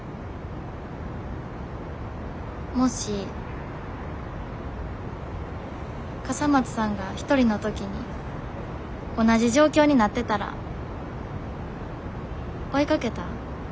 もし笠松さんが一人の時に同じ状況になってたら追いかけた？